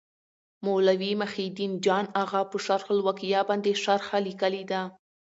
مولوي محي الدین جان اغا په شرح الوقایه باندي شرحه لیکلي ده.